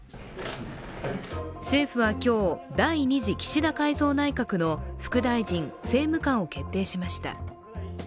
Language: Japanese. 政府は今日、第２次岸田改造内閣の副大臣・政務官を決定しました。